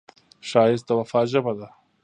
ښایست د وفا ژبه ده